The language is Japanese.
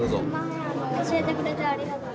前教えてくれてありがとう。